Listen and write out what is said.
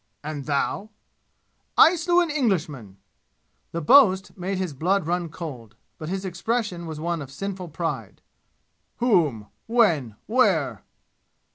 "And thou?" "I slew an Englishman!" The boast made his blood run cold, but his expression was one of sinful pride. "Whom? When? Where?"